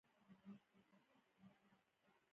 افغانان په خپل وطن مین دي.